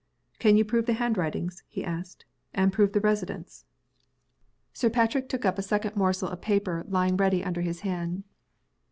"Can you prove the handwritings?" he asked. "And prove the residence?" Sir Patrick took up a second morsel of paper lying ready under his hand.